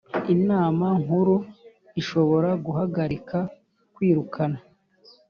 Inama nkuru ishobora guhagarika kwirukana